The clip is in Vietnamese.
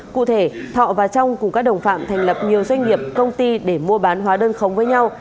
cụ thể thọ và trong cùng các đồng phạm thành lập nhiều doanh nghiệp công ty để mua bán hóa đơn khống với nhau